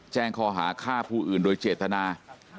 แจ้งข้อหาฆ่าผู้อื่นโดยเจตนา